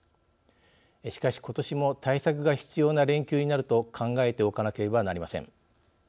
しかしことしも対策が必要な連休になると考えておかなければなりません。